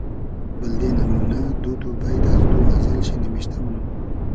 بئلدې نئمونۂ دو دو بݷت از دو غئزئل شی نیمشتۂ مونوم